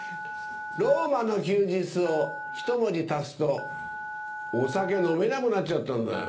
『ローマの休日』をひと文字足すとお酒飲めなくなっちゃったんだよ。